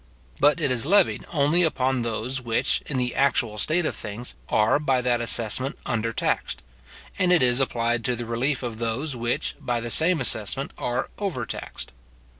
But it is levied only upon those which, in the actual state of things, are by that assessment under taxed; and it is applied to the relief of those which, by the same assessment, are over taxed.